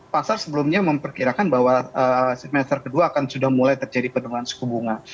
pasar sebelumnya memperkirakan bahwa semester kedua akan sudah mulai terjadi penurunan suku bunga